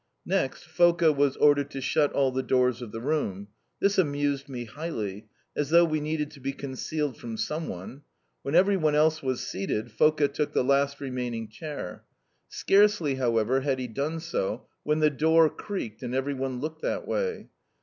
Next, Foka was ordered to shut all the doors of the room. This amused me highly. As though we needed to be concealed from some one! When every one else was seated, Foka took the last remaining chair. Scarcely, however, had he done so when the door creaked and every one looked that way.